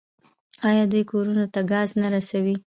آیا دوی کورونو ته ګاز نه رسوي؟